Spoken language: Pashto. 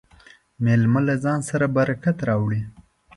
مېلمه له ځان سره برکت راوړي.